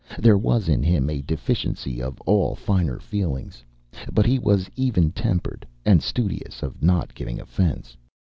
There was in him a deficiency of all finer feelings. But he was even tempered, and studious of not giving offence."